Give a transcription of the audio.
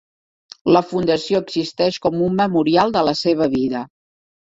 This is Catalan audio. La fundació existeix com un memorial de la seva vida.